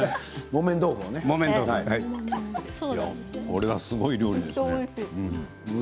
これはすごい料理ですね。